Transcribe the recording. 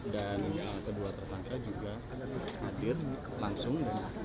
dan yang kedua tersangka juga hadir langsung